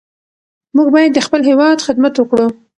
موږ باید د خپل هېواد خدمت وکړو.